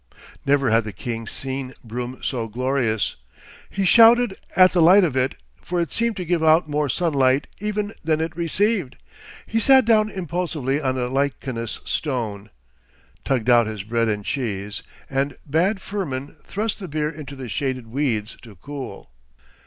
Never had the king seen broom so glorious; he shouted at the light of it, for it seemed to give out more sunlight even than it received; he sat down impulsively on a lichenous stone, tugged out his bread and cheese, and bade Firmin thrust the beer into the shaded weeds to cool.